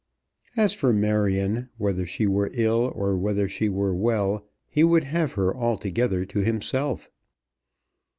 As for Marion, whether she were ill or whether she were well, he would have had her altogether to himself.